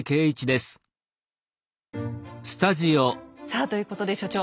さあということで所長。